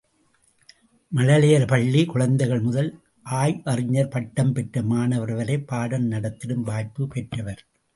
மழலையர் பள்ளி குழந்தைகள் முதல் ஆய்வறிஞர் பட்டம் பெற்ற மாணவர் வரை பாடம் நடத்திடும் வாய்ப்பு பெற்றவர்.